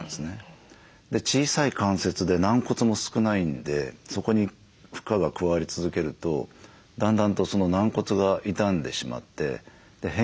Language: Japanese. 小さい関節で軟骨も少ないんでそこに負荷が加わり続けるとだんだんと軟骨が傷んでしまって変形してきます。